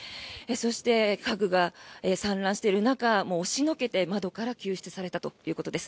そして、家具が散乱している中押しのけて窓から救出されたということです。